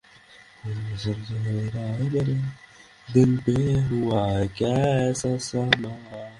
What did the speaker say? যদি সব মন্দির ধ্বংস হয়ে যায়, তাতেও ধর্মের বিন্দুমাত্র ক্ষতি হবে না।